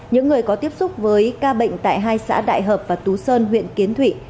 những người có tiếp xúc với ca bệnh tại hai xã đại hợp và tú sơn huyện kiến thụy